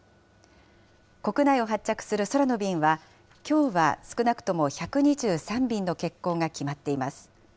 国内を発着する空の便は、きょうは少なくとも１２３便の欠航が決まっています。